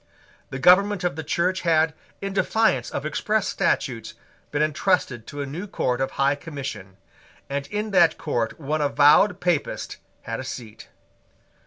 The government of the Church had, in defiance of express statutes, been entrusted to a new court of High Commission; and in that court one avowed Papist had a seat.